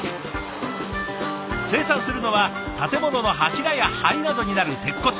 生産するのは建物の柱やはりなどになる鉄骨。